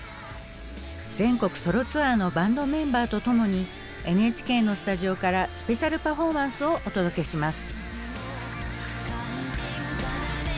全国ソロツアーのバンドメンバーとともにＮＨＫのスタジオからスペシャルパフォーマンスをお届けします。